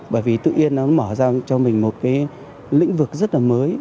bởi vì tự nhiên nó mở ra cho mình một cái lĩnh vực rất là mới